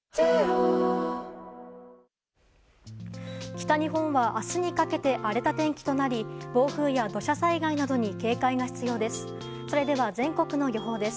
北日本は明日にかけて荒れた天気となり暴風や土砂災害などに警戒が必要です。